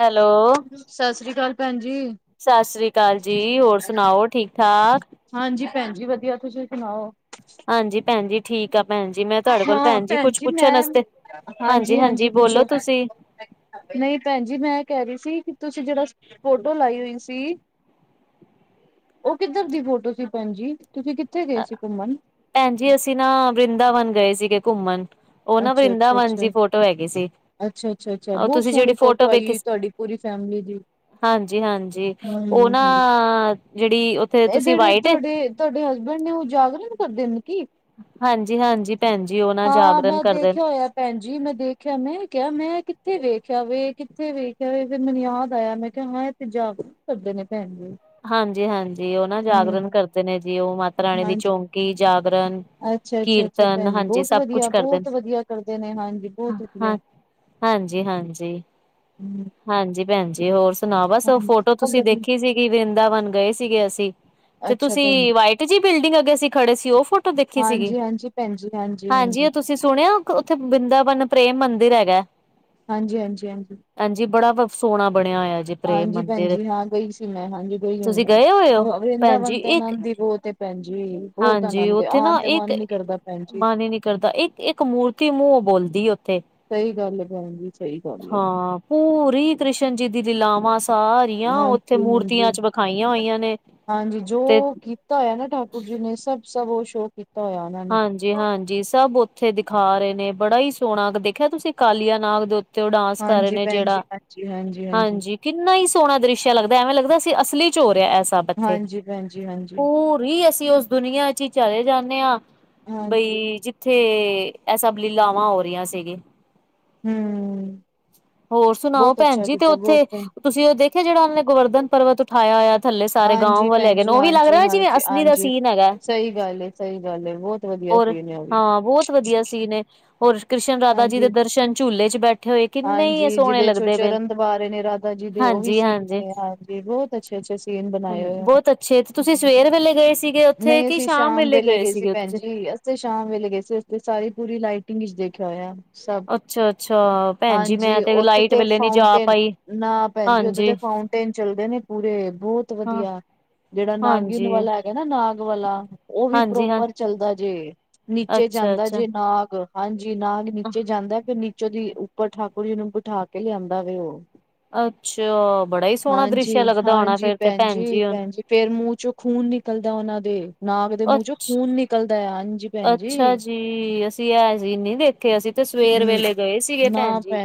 Hello, ਸਤਿ ਸ੍ਰੀ ਅਕਾਲ ਪੈਣ ਜੀ। ਸਤਿ ਸ੍ਰੀ ਅਕਾਲ ਜੀ, ਹੋਰ ਸੁਣਾਓ ਠੀਕ-ਠਾਕ। ਹਾਂਜੀ ਪੈਣ ਜੀ ਵਧੀਆ, ਤੁਸੀਂ ਸੁਣਾਓ। ਹਾਂਜੀ ਪੈਣ ਜੀ ਠੀ ਕਾ ਭੈਨ ਜੀ ਮੈਂ ਤੁਹਾਡੇ ਕੋਲ ਹਾਂ ਭੈਨ ਜੀ ਭੈਣ ਕੁੱਛ ਪੁੱਛਨ ਮੈਂ ਆਸਤੇ ਹਾਂਜੀ-ਹਾਂਜੀ ਬੋਲੋ ਤੁਸੀਂ। ਨਈ ਭੈਨ ਜੀ ਮੈਂ ਇਹ ਕਹਿ ਰੀ ਸੀ ਤੁਸੀਂ ਜਦੋਂ ਫੋਟੋ ਲਾਈ ਹੋਈ ਸੀ ਓਹ ਕਿੱਧਰ ਦੀ ਫੋਟੋ ਸੀ ਭੈਨ ਜੀ ਤੁਸੀਂ ਕਿੱਥੇ ਗਏ ਸੀ ਘੁੰਮਨ? ਭੈਨ ਜੀ ਅਸੀਂ ਨਾ ਵਰਿੰਦਾਵਨ ਗਏ ਸੀਗੇ ਘੁੰਮਨ। ਓਹ ਨਾ ਅੱਛਾ ਅੱਛਾ ਵਰਿੰਦਾਵਨ ਦੀ ਅੱਛਾ ਫੋਟੋ ਹੈਗੀ ਸੀ ਅੱਛਾ ਅੱਛਾ ਅੱਛਾ ਓਹ ਬਹੁਤ ਤੁਸੀਂ ਜੇੜੀ ਸੋਹਣੀ ਫੋਟੋ ਆਈ ਵੇਖੀ ਹੋਈ ਸ ਤੁਹਾਡੀ ਪੂਰੀ ਫੈਮਲੀ ਦੀ। ਹਾਂਜੀ ਹਾਂਜੀ ਹੂੰ ਓ ਨਾ ਹੂੰ ਜੇੜੀ ਇਹ ਜੇੜੇ ਤੁਹਾਡੇ-ਤੁਹਾਡੇ ਹਸਬੈਂਡ ਨੇ ਓਹ ਜਾਗਰਣ ਕਰਦੇ ਨੇ ਕੀ? ਹਾਂਜੀ-ਹਾਂਜੀ ਭੈਨ ਜੀ ਓਹ ਨਾ ਜਾਗਰਨ ਕਰਦੇ ਨ ਭੈਨ ਜੀ ਮੈਂ ਦੇਖਿਆ ਮੈਂ ਕਿਆ ਮੈਂ ਕਿੱਥੇ ਵੇਖਿਆ ਵੇ ਕਿੱਥੇ ਵੇਖਿਆ ਵੇ ਫੇਰ ਮੈਨ ਯਾਦ ਆਇਆ ਮੈਂ ਕਿਆ ਮੈਂ ਜਾਗਰਨ ਕਰਦੇ ਨੇ ਭੈਨ ਜੀ। ਹਾਂਜੀ-ਹਾਂਜੀ ਓਹ ਨਾ ਹੂੰ ਜਾਗਰਨ ਕਰਦੇ ਨੇ ਜੀ ਓਹ ਮਾਤਾ ਰਾਣੀ ਦੀ ਚੌਂਕੀ ਜਾਗਰਨ ਅੱਛਾ-ਅੱਛਾ-ਅੱਛਾ ਭੈਨ ਜੀ ਬੋਤ ਵਧੀਆ ਕਰਦੇ ਬੋਤ ਵਧੀਆ ਕਰਦੇ ਨੇ ਹਾਂਜੀ ਬੋਤ ਵਧੀਆ। ਹਾਂਜੀ-ਹਾਂਜੀ। ਹੂੰ ਹਾਂਜੀ ਭੈਨ ਜੀ ਹੋਰ ਸੁਨਾੳ ਬਸ ਓਹ ਹਾਂਜੀ ਫੋਟੋ ਸਭ ਤੁਸੀਂ ਵਧੀਆ ਦੇਖੀ ਸੀਗੀ ਵਰਿੰਦਾਵਨ ਗਏ ਸੀਗੇ ਅਸੀਂ। ਤੇ ਅੱਛਾ ਭੈਣ ਤੁਸੀਂ ਵਾਈਟ ਜੀ ਬਿਲਡਿੰਗ ਅੱਗੇ ਸੀਂ ਖੜੇ ਸੀ ਓ ਫੋ ਟੋ ਦੇਖੀ ਸੀਗੀ ਹਾਂਜੀ ਹਾਂਜੀ ਭੈਣ ਜੀ ਹਾਂਜੀ ਓ ਤੁਸੀਂ ਸੁਣਿਆ ਉੱਥੇ ਬਿੰਦਾਵਨ ਪ੍ਰੇਮ ਮੰਦਿਰ ਹੈਗਾ। ਹਾਂਜੀ-ਹਾਂਜੀ-ਹਾਂਜੀ। ਹਾਂਜੀ ਬੜਾ ਵ ਸੋਣਾ ਬਣਿਆ ਹੋਇਆ ਜੇ। ਪ੍ਰੇਮ ਹਾਂਜੀ ਭੈਨ ਮੰਦਿਰ ਜੀ ਹਾਂ ਗਈ ਸੀ ਮੈਂ ਹਾਂਜੀ। ਗਈ ਹੋਈ ਤੁਸੀਂ ਆਂ ਗਏ ਹੋਏ ਹੋ ਓਹ ਭੈਣ ਜੀ ਵਰਿੰਦਾਵਨ ਤੇ ਇੱਕ ਆਨੰਦ ਈ ਬੋਤ ਏ ਭੈਨ ਜੀ ਬੋਤ ਹਾਂਜੀ ਆਨੰਦ ਐ ਉੱਥੇ ਆਨ ਨਾ ਤੇ ਇੱਕ ਮਨ ਨੀ ਕਰਦਾ। ਭੈਣ ਜੀ। ਮਨ ਈ ਨੀ ਕਰਦਾ ਇੱਕ-ਇੱਕ ਮੂਰਤੀ ਮੂੰਓ ਬੋਲਦੀ ਓਥੇ। ਸਈ ਗੱਲ ਐ ਭੈਨ ਜੀ। ਸਹੀ ਗੱਲ ਹੈ ਹਾਂ ਪੂਰੀ ਕ੍ਰਿਸ਼ਨ ਜੀ ਦੀ ਲੀਲਾਵਾਂ ਸਾ ਰੀਆਂ ਉੱਥੇ ਹਾਂਜੀ ਮੂਰਤੀਆਂ ਹਾਂਜੀ ਚ ਵਖਾਈਆਂ ਹੋਈਆਂ ਨੇ ਹਾਂਜੀ ਜੋ ਤੇ ਕੀਤਾ ਹੋਇਆ ਨਾ ਠਾਕੁਰ ਜੀ ਨੇ ਸਭ-ਸਭ ਓ ਸ਼ੋਅ ਕੀਤਾ ਹੋਇਆ ਓਨਾਂ ਨੇ। ਜੀ ਹਾਂਜੀ ਸਭ ਉੱਥੇ ਦਿਖਾ ਰੇ ਨੇ ਬੜਾ ਈ ਸੋਣਾ ਦੇਖਿਆ ਤੁਸੀਂ ਕਾਲੀਆ ਨਾਗ ਦੇ ੳਤ ਤੇ ਓਹ ਡਾਂਸ ਕਰ ਰੇ ਹਾਂਜੀ ਨੇ ਭੈਣ ਜੀ ਜੇੜਾ ਹਾਂਜੀ ਹਾਂਜੀ। ਕਿੰਨਾ ਈ ਸੋਣਾ ਦ੍ਰਿਸ਼ ਐ ਲੱਗਦਾ ਐਵੇਂ ਲੱਗਦਾ ਅਸੀ ਅਸਲੀ ਚ ਹੋ ਰਿਹਾ ਇਹ ਸਭ। ਅਥੇ ਹਾਂਜੀ ਭੈਣ ਜੀ ਹਾਂਜੀ ਪੂਰੀ ਅਸੀਂ ਉਸ ਦੁਨੀਆਂ ਚ ਈ ਚਲੇ ਜਾਂਨੇ ਆ। ਹਾਂਜੀ ਬਈ ਜਿੱਥੇ ਇਹ ਸਬ ਲੀਲਾਵਾਂ ਹੋ ਰੀਆਂ ਸੀਗੀ। ਹੂੰ। ਹੋਰ ਸੁਨਾਓ ਭੈਨ ਜੀ ਤੇ ਉੱਥੇ ਬਹੁਤ ਤੁਸੀਂ ਓਹ ਦੇਖਿਆ ਜੇੜਾ ਓ ਨੇ ਗੋਵਰਧਨ ਪਰਵਤ ਉਠਾਇਆ ਹੋਇਆ ਥੱਲੇ ਸਾਰੇ ਗਾਓ ਹਾਂਜੀ ਵਾਲੇ ਭੈਣ ਹੈਗੇ ਨੇ ਜੀ ਓ ਵੀ ਲੱਗ ਹਾਂਜੀ ਰਿਆ ਜਿਵੇਂ ਹਾਂਜੀ ਅਸਲੀ ਦਾ ਹਾਂਜੀ ਸੀਨ ਹੈਗਾ। ਸਹੀ ਗੱਲ ਏ, ਸਹੀ ਗੱਲ ਏ, ਬਹੁਤ ਵਧੀਆ ਹੋਰ ਸੀਨ ਹੈ ਉਹ ਵੀ ਹਾਂ ਬੋਤ ਵਧੀਆ ਸੀਨ ਏ ਹੋਰ ਕ੍ਰਿਸ਼ਨ ਰਾਧਾ ਜੀ ਦੇ ਹਾਂਜੀ ਦਰਸ਼ਨ ਝੂਲੇ ਚ ਬੈਠੇ ਹੋਏ। ਕਿੰਨੇ ਹੀ ਹਾਂਜੀ ਸੋਹਣੇ ਜਿਦੇ ਚੋਂ ਲੱਗਦੇ ਪਏ ਚਰਨ ਦਬਾ ਰੇ ਨੇ ਰਾਧਾ ਜੀ ਦੇ ਓ ਵੀ ਸੀ ਹਾਂਜੀ ਬੋਤ ਅੱਛੇ-ਅੱਛੇ ਸੀਨ ਬਨਾਏ ਹੋਏ ਆ ਛੇ ਤੇ ਤੁਸੀਂ ਸਵੇਰ ਵੇਲੇ ਗਏ ਸੀਗੇ ਉੱਥੇ ਨਹੀਂ ਕਿ ਸ਼ਾਮ ਵੇਲੇ ਗਏ ਸੀਗੇ ੳਥੇ? ਅਸੀ ਸ਼ਾਮ ਵੇਲੇ ਗਏ ਸੀ ਸਾਰੀ ਪੂਰੀ ਲਾਈਟਿੰਗ ਇਚ ਦੇਖਿਆ ਹੋਇਆ। ਸਭ ਅੱਛਾ ਅੱਛਾ ਭੈਣ ਜੀ ਮੈਂ ਹਾਂਜੀ ਓਥੇ ਲਾਈਟ ਤੇ ਵੇਲੇ ਨੀ ਜਾ ਫਾਊਂਟੇਨ ਪਾਈ ਨਾ ਭੈਨ ਜੀ ਓਥੇ ਹਾਂਜੀ ਤੇ ਫਾਊ ਟੇਨ ਚੱਲਦੇ ਨੇ ਪੂਰੇ ਬੋਤ ਹਾਂ ਵਧੀਆ ਜੇੜਾ ਨਾਗਿਨ ਹਾਂਜੀ ਵਾਲਾ ਹ। ਹੈਗਾ ਨਾ ਨਾਗ ਵਾਲਾ ਓਹ ਵੀ ਹਾਂਜੀ ਹਾਂ ਪ੍ਰੋਪਰ ਚੱਲਦਾ ਜੇ ਨੀਚੇ ਅੱਛਾ ਜਾਂਦਾ ਅੱਛਾ ਜੇ ਨਾਗ। ਹਾਂਜੀ ਨਾਗ ਨੀਚੇ ਜਾਂਦਾ ਫੇਰ ਨੀਚੋ ਦੀ ਉੱਪਰ ਠਾਕੁਰ ਜੀ ਨੂੰ ਬਠਾ ਕੇ ਲਿਆਂਦਾ ਵੇ ਓ ਅੱਛਾ ਬੜਾ ਹੀ ਸੋਹਣਾ ਦ੍ਰਿਸ਼ ਹਾਂਜੀ, ਲੱਗਦਾ ਹੋਣਾ ਹਾਂਜੀ, ਫੇਰ ਤੇ ਭੈਣਜੀ, ਹੁਣ ਭੈਣ ਜੀ। ਫੇਰ ਮੂੰਹ 'ਚੋਂ ਖੂਨ ਨਿਕਲਦਾ ਓਨਾਂ ਦੇ, ਨਾਗ ਦੇ ਮੂੰਹ 'ਚੋਂ ਖੂਨ ਨਿਕਲਦਾ ਐ, ਹਾਂਜੀ! ਅੱਛਾ ਜੀ! ਅਸੀਂ ਐ ਸੀਨ ਨੀ ਦੇਖੇ, ਅਸੀਂ ਤੇ ਸਵੇਰ ਹੂੰ, ਵੇਲੇ ਗਏ ਸੀਗੇ ਨਾ ਭੈਣ ਜੀ।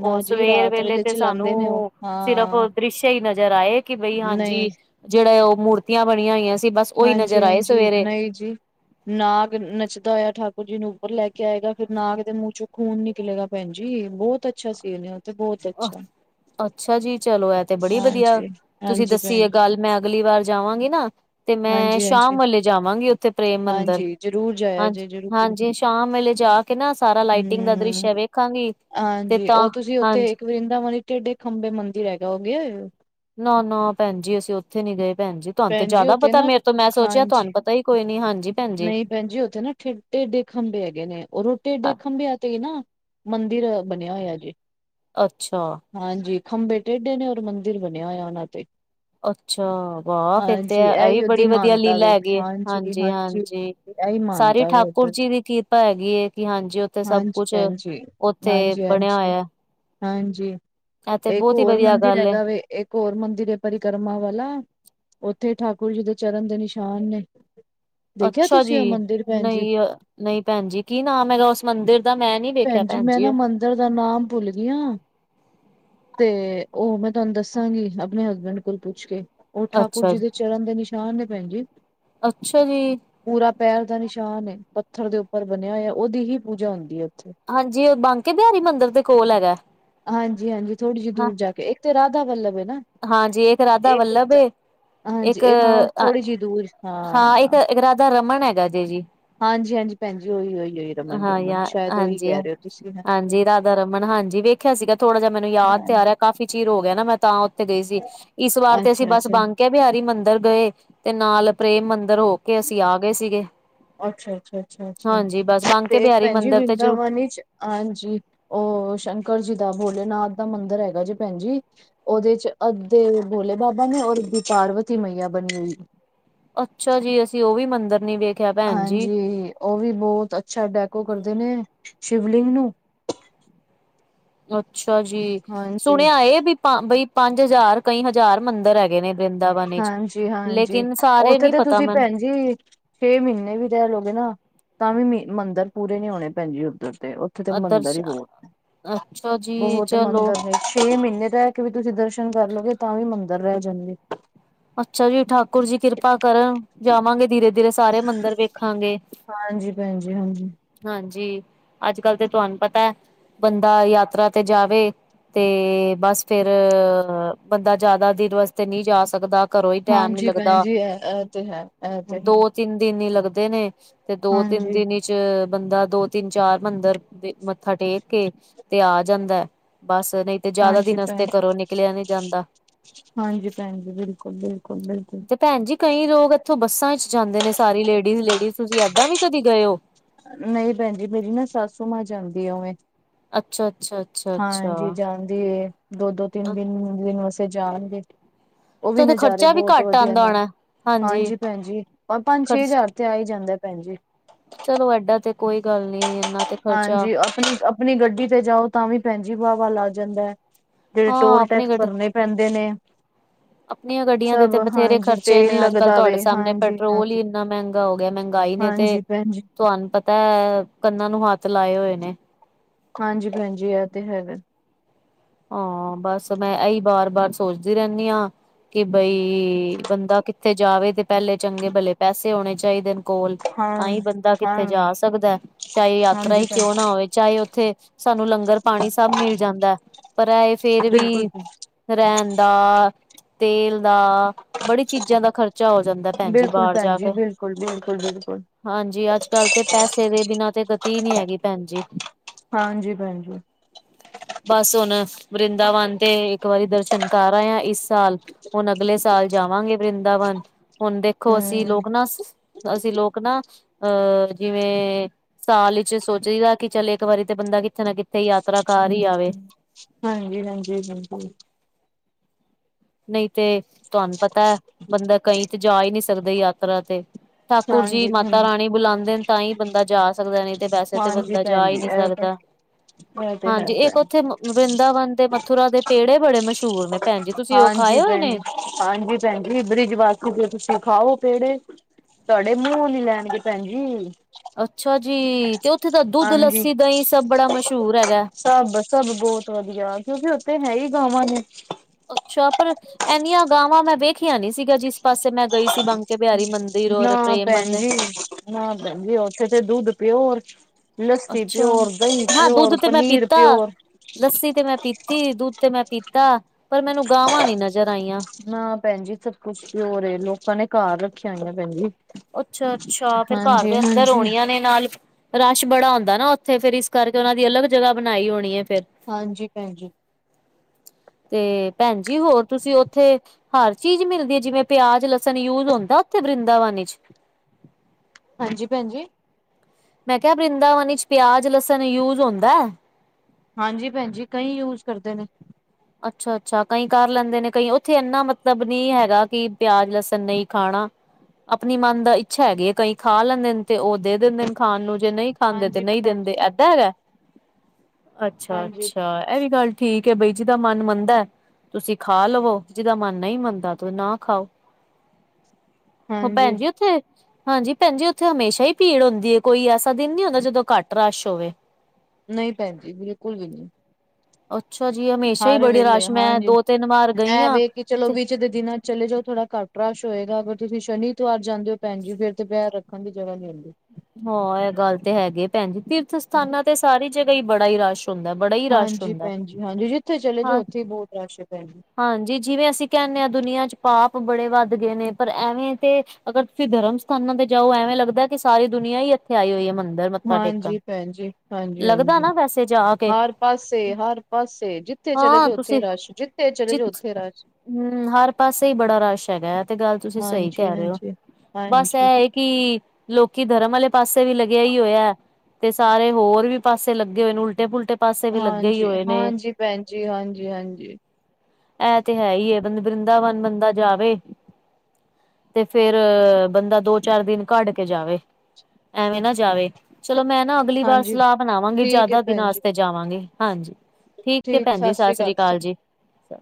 ਓਰ ਨਾ ਜੀ ਸਵੇਰ ਰਾਤ ਵੇਲੇ ਤੇ ਸਾਨੂੰ ਚਲਾਉਂਦੇ ਨੇ ਉਹ ਸਿਰਫ਼, ਹਾਂ। ਦ੍ਰਿਸ਼ਯ ਈ ਨਜ਼ਰ ਆਏ ਕੀ ਬਈ ਨਹੀਂ, ਹਾਂਜੀ ਜਿਹੜਾ ਉਹ ਮੂਰਤੀਆਂ ਬਣੀਆਂ ਹੋਈਆਂ ਸੀ, ਬਸ ਉਹੀ ਹਾਂਜੀ ਨਜ਼ਰ ਆਏ ਹਾਂਜੀ, ਸਵੇਰੇ ਨਹੀਂ ਜੀ। ਨਾਗ ਨੱਚਦਾ ਹੋਇਆ, ਠਾਕੁਰ ਜੀ ਨੂੰ ਉੱਪਰ ਲੈ ਕੇ ਆਏਗਾ। ਫਿਰ ਨਾਗ ਦੇ ਮੂੰਹ 'ਚੋਂ ਖੂਨ ਨਿਕਲੇਗਾ ਭੈਣ ਜੀ, ਬਹੁਤ ਅੱਛਾ ਸੀਨ ਉੱਥੇ ਬਹੁ ਅ ਅੱਛਾ ਜੀ, ਚਲੋ ਐ ਤੇ ਬੜੀ ਵਧੀਆ ਹਾਂਜੀ। ਤੁਸੀਂ ਹਾਂਜੀ ਦੱਸੀ ਭੈਣ ਇਹ ਜੀ, ਗੱਲ, ਮੈਂ ਅਗਲੀ ਵਾਰ, ਜਾਵਾਂਗੇ ਨਾ ਤੇ ਮੈਂ ਹਾਂਜੀ-ਹਾਂਜੀ, ਸ਼ਾਮ ਹਾਂਜੀ ਵੇਲੇ ਜਾਵਾਂਗੀ ਉੱਥੇ ਪ੍ਰੇਮ ਮੰਦਿਰ, ਹਾਂਜੀ ਜ਼ਰੂਰ ਜਾਇਆ ਹਾਂਜੀ ਜੇ ਜ਼ਰੂਰ, ਹਾਂਜੀ ਸ਼ਾਮ ਵੇਲੇ ਜਾ ਕੇ ਕਿ ਨਾ ਸਾਰਾ, ਲਾਈਟਿੰਗ ਦਾ ਹੂੰ। ਦ੍ਰਿਸ਼ ਹੈ ਵੇਖਾਂਗੀ। ਤੇ ਹਾਂਜੀ ਤਾਂ ਉਹ ਤੁਸੀਂ ਉੱਥੇ, ਹਾਂਜੀ ਇੱਕ ਵਰਿੰਦਾਵਨ ਢੇਡ ਖੰਬੇ ਮੰਦਿਰ ਹੈਗਾ, ਉਹ ਗਿਆ ੳ? ਨਾ ਨਾ ਭੈਣਜੀ, ਅਸੀਂ ਉੱਥੇ ਨੀ ਗਏ ਭੈਣ ਜੀ, ਤੁਹਾਨੂੰ ਤੇ ਭੈਣ ਜੀ ਜਿਆਦਾ ਉੱਥੇ ਪਤਾ ਨਾ ਮੇਰੇ ਤੋਂ ਮੈਂ ਸੋਚਿਆ ਹਾਂਜੀ ਤੁਹਾਨੂੰ ਪਤਾ ਹੀ ਕੋਈ ਨੀ, ਹਾਂਜੀ। ਭੈਣ ਜੀ ਨਹੀਂ ਭੈਣਜੀ ਉੱਥੇ ਨਾ ਟੇਡੇ ਖੰਭੇ ਹੈਗੇ ਨੇ, ਉਹ ਰੋਟੇਡੇ ਖੰਭੇ ਤੇ ਹੀ ਨਾ ਮੰਦਿਰ ਬਣਿਆ ਹੋਇਆ ਜੇ। ਅੱਛਾ। ਹਾਂਜੀ ਖੰਭੇ ਟੇਢੇ ਨੇ, ਔਰ ਮੰਦਿਰ ਬਣਿਆ ਹੋਇਆ ਉਹਨਾਂ ਤੇ ਅੱਛਾ ਵਾਹ! ਫਿਰ ਤੇ ਹਾਂਜੀ ਇਹ ਵੀ ਇਹੀ ਉਹਦੀ ਬੜੀ ਵਧੀਆ ਮਾਨਤਾ ਲੀਲਾ ਵੇ ਹੈਗੀ, ਹਾਂਜੀ, ਹਾਂਜੀ। ਇਹੀ ਸਾਰੇ ਮਾਨਤਾ ਵੇ ਠਾਕੁਰ ਉੱਧਰ ਜੀ ਦੀ ਕਿਰਪਾ ਹੈਗੀ ਹੈ, ਕਿ ਹਾਂਜੀ ਉੱਥੇ ਸਭ ਹਾਂਜੀ ਕੁਛ ਭੈਣ ਜੀ ਉੱਥੇ ਹਾਂਜੀ ਬਣਿਆ ਹਾਂਜੀ ਹੋਇਆ, ਹਾਂਜੀ ਇਹ ਤੇ ਇੱਕ ਬਹੁਤ ਹੀ ਹੋਰ ਵਧੀਆ ਮੰਦਿਰ ਗੱਲ ਏ। ਹੈਗਾ ਇੱਕ ਹੋਰ ਮੰਦਿਰ ਪਰਿਕਰਮਾ ਵਾਲਾ, ਉੱਥੇ ਠਾਕੁਰ ਜੀ ਦੇ ਚਰਨ ਦੇ ਨਿਸ਼ਾਨ ਨੇ ਦੇਖਿਆ ਅੱਛਾ ਜੀ ਤੁਸੀਂ ਉਹ ਮੰਦਿਰ? ਭੈਣ ਜੀ, ਨਹੀਂ, ਨਹੀਂ ਭੈਣ ਜੀ, ਕੀ ਨਾਮ ਹੈਗਾ ਉਸ ਮੰਦਿਰ ਦਾ, ਮੈਂ ਨੀ ਵੇਖਿਆ ਭੈਣ ਜੀ ਉਹਦਾ ਨਾਮ ਭੁੱਲ ਗਈ ਆ। ਤੇ ਉਹ ਮੈਂ ਤੁਹਾਨੂੰ ਦੱਸਾਂਗੀ, ਆਪਣੇ ਹਸਬੈਂਡ ਕੋਲ ਪੁੱਛ ਕੇ ਉਹ ਠਾਕੁਰ ਜੀ ਦੇ ਚਰਨ ਦੇ ਨਿਸ਼ਾਨ ਨੇ, ਭੈਣ ਜੀ। ਅੱਛਾ ਜੀ! ਪੂਰਾ ਪੈਰ ਦਾ ਨਿਸ਼ਾਨ, ਪੱਥਰ ਦੇ ਉੱਪਰ ਬਣਿਆ ਹੋਇਆ, ਉਹਦੀ ਹੀ ਪੂਜਾ ਹੁੰਦੀ ਹੈ ਉੱਥੇ। ਹਾਂਜੀ ਉਹ, ਬਾਂਕੇ ਬਿਹਾਰੀ ਮੰਦਿਰ ਦੇ ਕੋਲ ਹੈਗਾ? ਹਾਂਜੀ ਹਾਂਜੀ ਥੋੜ੍ਹੀ ਜੀ ਹਾਂ ਦੂਰ ਜਾ ਕੇ, ਇੱਕ ਤਾਂ ਰਾਧਾ ਵਾਲਾ ਵੇ ਨਾ, ਹਾਂਜੀ ਰਾਧਾ ਇੱਕ ਵੱਲਭ ਏ ਹਾਂਜੀ, ਇੱਕ ਹਾਂ ਥੋੜ੍ਹੀ ਜਿਹੀ ਦੂਰ, ਇੱਕ ਹਾਂ ਰਾਧਾ ਰਮਨ ਹੈਗਾ ਜੀ। ਹਾਂਜੀ ਹਾਂਜੀ ਭੈਣ ਜੀ ਉਹੀ ਉਹੀ ਉਹੀ ਰਮਨ ਹਾਂ ਰਮਨ ਯ ਸ਼ਾਇਦ ਉਹੀ ਹਾਂਜੀ, ਕਹਿ ਰਹੇ ਹੋ ਤੁਸੀਂ। ਹਾਂ ਹਾਂਜੀ ਰਾਧਾ ਰਮਨ ਹਾਂਜੀ, ਵੇਖ ਵੇਖਿਆ ਸੀਗਾ ਥੋੜਾ ਜਿਹਾ ਮੈਨੂੰ ਯਾਦ ਹਾਂ, ਤੇ ਆ ਰਿਹਾ, ਕਾਫ਼ੀ ਚਿਰ ਹੋ ਗਿਆ ਨਾ ਮੈਂ ਤਾਂ ਉਥੇ ਗਈ ਸੀ। ਇਸ ਵਾਰ ਤੇ ਅਸੀਂ ਅੱਛਾ ਬਸ ਅੱਛਾ ਬਾਂਕੇ ਬਾਂਕੇ ਬਿਹਾਰੀ ਮੰਦਿਰ ਗਏ, ਤੇ ਨਾਲ ਪ੍ਰੇਮ ਮੰਦਿਰ ਹੋ ਕੇ ਅਸੀਂ ਆ ਗਏ ਸੀਗੇ। ਅੱਛਾ, ਅੱਛਾ, ਅੱਛਾ, ਹਾਂਜੀ ਬਸ ਅੱਛਾ, ਤੇ ਬਾਂਕੇ ਇਕ ਬਿਹਾਰੀ ਭੈਣ ਜੀ ਮੰਦਿਰ ਤੇ ਜ਼ਰੂਰ ਵਰਿੰਦਾਵਨ ਵਿਚ ਹਾਂਜੀ ਉਹ ਸ਼ੰਕਰ ਜੀ ਦਾ, ਭੋਲੇਨਾਥ ਦਾ ਮੰਦਿਰ ਹੈਗਾ ਜੇ ਭੈਣ ਜੀ ਉਹਦੇ 'ਚ ਅੱਧੇ ਭੋਲੇ ਬਾਬਾ ਨੇ, ਔਰ ਪਾਰਵਤੀ ਮਈਆ ਬਣੀ ਹੋਈ। ਅੱਛਾ ਜੀ! ਅਸੀਂ ਉਹ ਵੀ ਮੰਦਿਰ ਨੀ ਵੇਖ ਹਾਂਜੀ, ਉਹ ਵੀ ਬਹੁਤ ਅੱਛਾ ਡੈਕੋ ਕਰਦੇ ਨੇ, ਸ਼ਿਵਲਿੰਗ ਨੂੰ। ਅੱਛਾ ਜੀ! ਹਾਂਜੀ ਸੁਣਿਆ ਵੀ ਬਈ ਪੰਜ ਹਜ਼ਾਰ, ਕਈ ਹਜ਼ਾਰ ਮੰਦਿਰ ਹੈਗੇ ਨੇ ਵਰਿੰਦਾਵਨ ਹਾਂਜੀ ਹਾਂਜੀ, ਉੱਥੇ ਤਾਂ ਪਤਾ ਤੁਸੀਂ ਮੈਨੂੰ ਭੈਣ ਜੀ ਛੇ ਮਹੀਨੇ ਵੀ ਰਹਿ ਲੋਂਗੇ ਨਾ ਤਾਂ ਵੀ ਮੰਦਿਰ ਪੂਰੇ ਨੀ ਹੋਣੇ ਭੈਣ ਜੀ ਉੱਧਰ ਦੇ, ਉੱਥੇ ਦੇ ਅੱਧਰ ਮੰਦਿਰ ਹੀ ਬਹੁਤ ਨੇ ਅੱਛਾ ਜੀ ਬਹੁਤ ਚਲੋ ਮੰਦਿਰ ਨੇ ਛੇ ਮਹੀਨੇ ਰਹ, ਕਿ ਵੀ ਤੁਸੀਂ ਦਰਸ਼ਨ ਕਰ ਲਓਗੇ ਤਾਂ ਵੀ ਮੰਦਿਰ ਰਹਿ ਜਾਂਣਗੇ, ਅੱਛਾ ਜੀ ਠਾਕੁਰ ਜੀ ਕਿਰਪਾ ਕਰਨ ਜਾਵਾਂਗੇ ਧੀਰੇ ਧੀਰੇ, ਧੀਰੇ ਸਾਰੇ ਮੰਦਿਰ ਵੇਖਾਂਗੇ, ਹਾਂਜੀ ਭੈਣ ਜੀ ਹਾਂਜੀ ਹਾਂਜੀ, ਅੱਜ ਕੱਲ ਤੇ ਤੁਹਾਨੂੰ ਪਤਾ ਹੈ ਬੰਦਾ ਯਾਤਰਾ ਤੇ ਜਾਵੇ, ਤੇ ਬਸ ਫੇਰ ਬੰਦਾ ਜ਼ਿਆਦਾ ਦਿਨ ਵਾਸਤੇ ਨਹੀਂ ਜਾ ਸਕਦਾ। ਘਰੋਂ ਹੀ ਟਾਈਮ ਨੀ ਹਾਂਜੀ ਭੈਣ ਲੱਗਦਾ ਜੀ ਇਹ ਇਹ ਤੇ ਹੈ ਇਹ ਤੇ ਹੈ ਦੋ ਤਿੰਨ ਦਿਨ ਹੀ ਲੱਗਦੇ ਨੇ ਤੇ ਦੋ ਤਿੰਨ ਹਾਂਜੀ ਦਿਨ ਹੀ,, ਚ ਬੰਦਾ ਦੋ ਤਿੰਨ ਚਾਰ ਮੰਦਿਰ ਦੇ ਮੱਥਾ ਟੇਕ ਕੇ ਤੇ ਆ ਜਾਂਦਾ ਹੈ, ਬਸ ਨਹੀਂ ਤੇ ਜ਼ਿਆਦਾ ਹਾਂਜੀ ਦਿਨ ਭੈਣ ਵਾਸਤੇ ਜੀ ਘਰੋਂ ਨਿਕਲਿਆ ਨਹੀਂ ਜਾਂਦਾ, ਹਾਂਜੀ ਭੈਣ ਜੀ ਬਿਲਕੁਲ, ਬਿਲਕੁਲ, ਬਿਲਕੁਲ ਤੇ ਭੈਣ ਜੀ ਕਈ ਲੋਕ ਇੱਥੋਂ ਬੱਸਾਂ 'ਚ' ਜਾਂਦੇ ਨੇ ਸਾਰੀ ਲੇਡੀਜ਼ ਲੇਡੀਜ਼ ਤੁਸੀਂ ਏਦਾਂ ਵੀ ਕਦੀ ਗਏ ਹੋ। ਨਹੀਂ ਭੈਣ ਜੀ ਮੇਰੀ ਨਾ ਸਾਸੂ ਮਾਂ ਜਾਂਦੀ ਉਵੇਂ, ਅੱਛਾ, ਅੱਛਾ ਅ ਹਾਂਜੀ, ਜਾਂਦੀ ਹੈ ਦੋ ਦੋ ਤਿੰਨ ਅੱਛਾ ਦਿਨ ਦਿਨ ਵਸਤੇ ਜਾਣਗੇ, ਉਹ ਵੀ ਤੇ ਤੇ ਨਜ਼ਾਰੇ ਖਰਚਾ ਵੀ ਬਹੁਤ ਘੱਟ ਵਧੀਆ ਆਉਂਦਾ ਨੇ, ਹੋਣਾ। ਹਾਂਜੀ, ਭੈਣ ਜੀ ਪੰਜ ਛੇ ਖਰਚ ਹਜ਼ਾਰ ਤੇ ਆ ਹੀ ਜਾਂਦਾ ਭੈਣ ਜੀ, ਚਲੋ ਏਡਾ ਤੇ ਕੋਈ ਗੱਲ ਨੀ ਇਹਨਾ ਤੇ, ਖਰਚਾ ਹਾਂਜੀ ਆਪਣੀ ਆਪਣੀ ਗੱਡੀ ਤੇ ਜਾਓ ਤਾਂ ਵੀ ਭੈਣ ਜੀ ਵਾਵਾ ਲੱਗ ਜਾਂਦਾ, ਜਿਹੜੇ ਹਾਂ ਟੋਲ ਆਪਣੀ ਟੈਕਸ ਗੱਡੀ ਪਰਨੇ ਪੈਂਦੇ ਨੇ, ਆਪਣੀਆਂ ਗੱਡੀਆਂ ਦੇ ਸਭ ਤੇ ਬਥੇਰੇ ਹਾਂਜੀ ਖਰਚੇ ਨੇ ਤੇਲ ਅੱਜ ਕੱਲ੍ਹ ਲੱਗਦਾ ਤੁਹਾਡੇ ਵੇ ਸਾਹਮਣੇ ਹਾਂਜੀ ਪੈਟਰੋਲ ਹਾਂਜੀ ਹੀ, ਕਿੰਨਾ ਮਹਿੰਗਾ ਹੋ ਗਿਆ ਮਹਿੰਗਾਈ ਨੇ ਤੇ ਹਾਂਜੀ ਭੈਣ ਜੀ ਤੁਹਾਨੂੰ ਪਤਾ ਹੈ ਕੰਨਾਂ ਨੂੰ ਹੱਥ ਲਾਏ ਹੋਏ ਨੇ, ਹਾਂਜੀ, ਭੈਣਜੀ ਇਹ ਤੇ ਹੈਗਾ। ਹਾਂ, ਬਸ ਮੈਂ ਇਹੀ ਬਾਰ ਬਾਰ ਸੋਚਦੀ ਰਹਿੰਦੀ ਹਾਂ ਕਿ ਬਈ, ਕੀ ਬੰਦਾ ਕਿੱਥੇ ਜਾਵੇ ਤੇ ਪਹਿਲੇ ਚੰਗੇ ਭਲੇ ਪੈਸੇ ਹੋਣੇ ਚਾਹੀਦੇ ਨੇ, ਕੋਲ ਹਾਂ ਤਾਂ ਹੀ ਬੰਦਾ ਹਾਂ ਕਿੱਤੇ ਜਾ ਸਕਦਾ। ਚਾਹੇ ਯਾਤਰਾ ਹਾਂਜੀ ਹੀ ਕਿਉਂ ਭੈਣ ਨਾ ਹੋਵੇ ਚਾਹੇ ਉੱਥੇ ਸਾਨੂੰ ਲੰਗਰ ਪਾਣੀ ਸਭ ਮਿਲ ਜਾਂਦਾ। ਪਰ ਇਹ ਫੇਰ ਬਿਲਕੁਲ ਵੀ ਰਹਿਣ ਦਾ ਤੇਲ ਦਾ, ਬੜੀ ਚੀਜ਼ਾਂ ਦਾ ਖ਼ਰਚਾ ਹੋ ਜਾਂਦਾ ਭੈਣ ਜੀ ਬਾਹਰ ਜਾ ਕੇ, ਬ ਬਿਲਕੁਲ, ਹਾਂਜੀ, ਅੱਜ ਕੱਲ੍ਹ ਤੇ ਪੈਸੇ ਦੇ ਬਿਨਾਂ ਤੇ ਗਤੀ ਨਹੀਂ ਹੈਗੀ ਭੈਣ ਜੀ, ਹਾਂਜੀ, ਭੈਣਜੀ, ਬਸ ਹੁਣ ਵਰਿੰਦਾਵਨ ਤੇ ਇੱਕ ਵਾਰੀ ਦਰਸ਼ਨ, ਕਰਆਏ ਆ ਇਸ ਸਾਲ ਹੁਣ ਅਗਲੇ ਸਾਲ ਜਾਵਾਂਗੇ ਵ੍ਰਿੰਦਾਵਨ, ਹੁਣ ਦੇਖੋ ਅਸੀਂ ਹਮ ਲੋਕ ਨਾ ਸ ਅਸੀਂ ਲੋਕ ਨਾ ਅਹ ਜਿਵੇਂ ਸਾਲ ਵਿਚ ਸੋਚੀ ਦਾ ਕਿ ਚੱਲ ਇੱਕ ਵਾਰੀ ਤੇ ਬੰਦਾ ਕਿੱਤੇ ਨਾ ਕਿੱਤੇ ਯਾਤਰਾ ਕਰ ਹੀ ਆਵੇ, ਹਾਂਜੀ, ਹਾਂਜੀ ਬਿਲਕੁਲ। ਨਹੀਂ ਤੇ ਤੁਹਾਨੂੰ ਪਤਾ ਹੈ ਬੰਦਾ ਕਈ ਤੇ ਜਾਈ ਈ ਨਹੀ ਸਕਦੇ ਯਾਤਰਾ ਤੇ, ਠਾਕੁਰ ਜੀ ਹਾਂਜੀ ਹ ਮਾਤਾ ਰਾਣੀ ਬੁਲਾਉਂਦੇ ਨੇ ਤਾਂ ਹੀ ਬੰਦਾ ਜਾ ਸਕਦਾ ਹੈ, ਨ ਤੇ ਵੈਸੇ ਤਾਂ ਹਾਂਜੀ ਬੰਦਾ ਭੈਣ ਜਾ ਹੀ ਜੀ ਨਹੀਂ ਇਹ ਤੇ ਸਕਦਾ ਇਹ ਤੇ ਹੈ ਹਾਂਜੀ ਇੱਕ ਭੈਣ ਉੱਥੇ ਮ ਵਰਿੰਦਾਵਨ ਦੇ ਮਥੁਰਾ ਦੇ ਪੇੜੇ ਬੜੇ ਮਸ਼ਹੂਰ ਨੇ ਭੈਣ ਜੀ ਤੁਸੀਂ ਉਹ, ਹਾਂਜੀ ਖਾਏ ਹੋਏ ਭੈਣ ਨੇ ਜੀ ਹਾਂਜੀ ਭੈਣ ਜੀ ਬ੍ਰਿਜ ਵਾਸੀ ਦੇ ਤੁਸੀਂ ਖਾਓ ਪਹੜੇ, ਤੁਹਾਡੇ ਮੂੰਹੋਂ ਨੀ ਲੈਣਗੇ ਭੈਣ ਜੀ, ਅੱਛਾ ਜੀ ਤੇ ਉੱਥੇ ਦਾ ਦੁੱਧ ਹਾਂਜੀ ਲੱਸੀ ਦਹੀਂ ਸਭ ਬੜਾ ਮਸ਼ਹੂਰ ਹੈਗਾ। ਸਭ- ਸਭ ਬਹੁਤ ਵਧੀਆ, ਕਿਉਂਕਿ ਉੱਥੇ ਹੈ ਹੀ ਗਾਵਾਂ ਨੇ। ਅੱਛਾ, ਪਰ ਇੰਨੀਆਂ ਗਾਵਾਂ ਮੈਂ ਵੇਖੀਆਂ ਨੀ ਸੀਗਾ, ਜਿਸ ਪਾਸੇ ਮੈਂ ਗਈ ਸੀ ਬ ਨਾ ਭੈਣ ਜੀ, ਨਾ ਭੈਣ ਜੀ, ਉਥੇ ਤੇ ਦੁੱਧ ਪਿਓਰ ਲੱਸੀ ਅੱਛਾ, ਪਿਓਰ, ਦਹੀਂ ਹਾਂ ਦੁੱਧ ਪਿਓਰ, ਤੇ ਮੈਂ ਪਨੀਰ ਪੀਤਾ ਪਿਓਰ ਲੱਸੀ ਤੇ ਮੈਂ ਪੀਤੀ, ਦੁੱਧ ਤੇ ਮੈਂ ਪੀਤਾ, ਪਰ ਮੈਨੂੰ ਗਾਵਾਂ ਨੀ ਨਜ਼ਰ ਆਈਆਂ ਨਾ ਭੈਣ ਜੀ, ਸਭ ਕੁਛ ਪਿਓਰ ਹੈ, ਲੋਕਾਂ ਨੇ ਘਰ ਰੱਖਿਆ ਹੋਇਆ ਭੈਣ ਜੀ। ਅੱਛਾ ਅੱਛਾ, ਫੇਿਰ ਘਰ ਹਾਂਜੀ ਦੇ ਅੰਦਰ ਹਾਂਜੀ ਹੋਣੀਆਂ ਨੇ ਨਾਲ ਰਸ਼ ਬੜਾ ਹੁੰਂਦਾ ਨਾ ਉੱਥੇ, ਫੇਿਰ ਇਸ ਕਰਕੇ ਉਹਨਾਂ ਦੀ ਅਲੱਗ ਜਗ੍ਹਾ ਬਣਾਈ ਹੋਣੀ ਹੈ ਫੇਿਰ ਹਾਂਜੀ, ਭੈਣ ਜੀ। ਤੇ ਭੈਣ ਜੀ, ਹੋਰ ਤੁਸੀਂ ਉੱਥੇ ਹਰ ਚੀਜ਼ ਮਿਲਦੀ ਹੈ, ਜਿਵੇਂ ਪਿਆਜ, ਲਸਣ, ਯੂਜ ਹੁੰਦਾ ਉੱਥੇ ਵਰਿੰਦਾਵਨ 'ਚ? ਹਾਂਜੀ, ਭੈਣਜੀ? ਮੈਂ ਕਿਹਾ, ਵਰਿੰਦਾਵਨੀ 'ਚ ਪਿਆਜ, ਲਸਣ ਯੂਜ ਹੁੰਦਾ? ਹਾਂਜੀ ਭੈਣਜੀ, ਕਈ ਯੂਜ ਕਰਦੇ ਨੇ। ਅੱਛਾ ਅੱਛਾ, ਕਈ ਕਰ ਲੈਂਦੇ ਨੇ ਕਈ, ਉੱਥੇ ਇੰਨਾ ਮਤਲਬ ਨੀ ਹੈਗਾ ਕਿ ਪਿਆਜ ਲਸਣ ਨਹੀਂ ਖਾਣਾ। ਆਪਣੀ ਮਨ ਦਾ ਇੱਛਾ ਹੈਗੀ ਹੈ ਕਈ ਖਾ ਲੈਂਦੇ ਨੇ, ਤੇ ਉਹ ਦੇ ਦਿੰਦੇ ਨੇ ਖਾਣ ਨੂੰ, ਜੇ ਨਹੀਂ ਖਾਂਦੇ ਤੇ ਹਾਂਜੀ ਨਹੀਂ ਭੈਣ ਦਿੰਦੇ, ਜੀ ਹਾਂਜੀ ਏਦਾਂ ਹੈਗਾ? ਅੱਛਾ ਹਾਂਜੀ ਅੱਛਾ, ਇਹ ਵੀ ਗੱਲ ਠੀਕ ਹੈ ਬਈ ਜਿਹਦਾ ਮਨ ਮੰਨਦਾ ਤੁਸੀਂ ਖਾ ਲਵੋ, ਜਿਦਾ ਮਨ ਨਹੀਂ ਮੰਨਦਾ ਤੁਸੀ ਨਾ ਖਾਓ। ਹੋ ਭੈਣ ਹਾਂਜੀ ਜੀ ਉੱਥੇ ਹਾਂਜੀ ਭੈਣ ਜੀ, ਉੱਥੇ ਹਮੇਸ਼ਾ ਹੀ ਭੀੜ ਹੁੰਦੀ ਹੈ, ਕੋਈ ਐਸਾ ਦਿਨ ਨੀ ਹੁੰਦਾ ਜਦੋਂ ਘੱਟ ਰਸ਼ ਹੋਵੇ? ਨਹੀਂ ਭੈਣ ਜੀ, ਬਿਲਕੁਲ ਵੀ ਨਹੀਂ। ਅੱਛਾ ਜੀ, ਹਮੇਸ਼ਾ ਹੀ ਹਰ ਬੜੀ ਵੇਲੇ ਰਸ਼, ਮੈਂ ਹਾਂਜੀ ਦੋ ਤਿੰਨ ਵਾਰ ਗਈ ਐ ਹਾਂ ਵੇ ਕਿ ਤੇ ਚਲੋ ਵਿੱਚ ਦੇ ਦਿਨਾਂ ਚਲੇ ਜਾਓ, ਥੋੜਾ ਘੱਟ ਰਸ਼ ਹੋਏਗਾ। ਅਗਰ ਤੁਸੀਂ ਸ਼ਨੀ, ਤਵਾਰ ਜਾਂਦੇ ਹੋ ਭੈਣ ਜੀ, ਫੇਰ ਤੇ ਪੈਰ ਰੱਖਣ ਦੀ ਜਗ੍ਹਾ ਨਹੀਂ ਆਉਦੀ। ਹਾਂ ਇਹ ਗੱਲ ਤੇ ਹੈਗੀ ਭੈਣ ਜ, ਤੀਰਥ ਸਥਾਨਾਂ ਤੇ ਸਾਰੀ ਜਗ੍ਹਾ ਹੀ ਬੜਾ ਹੀ ਰਸ਼ ਹੁੰਦਾ, ਬੜਾ ਹੀ ਰਸ਼ ਹਾਂਜੀ ਹੁੰਦਾ। ਭੈਣਜੀ ਹਾਂਜੀ, ਜਿੱਥੇ ਚਲੇ ਜਾ ਹਾਂ ਉੱਥੇ ਹੀ ਬਹੁਤ ਰਸ਼ ਹੈ ਭੈਣ ਜੀ। ਹਾਂਜੀ ਜਿਵੇਂ ਅਸੀਂ ਕਹਿੰਦੇ ਹਾਂ, ਦੁਨੀਆਂ 'ਚ ਪਾਪ ਬੜੇ ਵੱਧ ਗਏ ਨੇ ਪਰ ਐਵੇਂ ਤੇ ਅਗਰ ਤੁਸੀਂ ਧਰਮ ਸਥਾਨਾਂ ਤੇ ਜਾਓ, ਐਵੇਂ ਲੱਗਦਾ ਕਿ ਸਾਰੀ ਦੁਨੀਆ ਹੀ ਇੱਥੇ ਆਈ ਹੋਈ ਹੈ ਮੰਦਿਰ ਮੱਥਾ ਟੇਕਣ। ਹਾਂਜੀ ਭੈਣ ਜੀ, ਹਾਂਜੀ ਲੱਗਦਾ ਹਾਂਜੀ। ਨਾ ਵੈਸੇ ਜਾ ਕੇ ਹਰ ਪਾਸੇ, ਹਰ ਪਾਸੇ, ਜਿੱਥੇ ਚਲੇ ਹਾਂ ਜਾ ਉੱਥੇ ਤੁਸੀਂ ਰਸ਼, ਜਿੱਥੇ ਚਲੇ ਜਿੱਥ ਜਾਓ ਉੱਥੇ ਰਸ਼ ਹਮ, ਹਰ ਪਾਸੇ ਹੀ ਬੜਾ ਰਸ਼ ਹੈਗਾ ਹੈ ਤੇ ਗੱਲ ਤੁਸੀਂ ਸਹੀ ਕਹਿ ਰਹੇ ਹੋ। ਹਾਂ। ਬਸ ਹੈ ਕਿ, ਲੋਕੀ ਧਰਮ ਵਾਲੇ ਪਾਸੇ ਵੀ ਲੱਗਿਆ ਹੀ ਹੋਇਆ। ਤੇ ਸਾਰੇ ਹੋਰ ਵੀ ਪਾਸੇ ਲੱਗੇ ਹੋਏ ਨੇ, ਉਲਟੇ ਪੁਲਟੇ ਪਾਸੇ ਵੀ ਲੱਗੇ ਹੀ ਹਾਂਜੀ ਹੋਏ ਨੇ। ਹਾਂਜੀ ਭੈਣ ਜੀ, ਹਾਂਜੀ ਹਾਂਜੀ। ਇਹ ਤੇ ਹੈ ਹੀ ਹੈ, ਵਰਿੰਦਾਵਨ ਬੰਦਾ ਜਾਵੇ ਤੇ ਫੇਿਰ, ਬੰਦਾ ਦੋ ਚਾਰ ਦਿਨ ਕੱਢ ਕੇ ਜਾਵੇ‌। ਐਵੇਂ ਨਾ ਜਾਵੇ, ਚਲੋ ਮੈਂ ਨਾ ਅਗਲੀ ਵਾਰ ਹਾਂਜੀ ਸਲਾਹ ਬਣਾਵਾਂਗੀ, ਠੀਕ ਹੈ ਜ਼ਿਆਦਾ ਦਿਨਾਂ ਭੈਣ ਜੀ ਵਾਸਤੇ ਜਾਵਾਂਗੇ, ਹਾਂਜੀ ਠੀਕ ਹੈ ਭੈਣ ਜੀ, ਸਤਿ ਸ੍ਰੀ ਅਕਾਲ ਜੀ। ਅੱਛਾ।